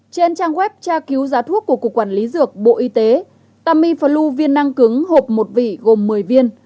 trên trang web tra cứu giá thuốc của cục quản lý dược bộ y tế tamiflu viên năng cứng hộp một vị gồm một mươi viên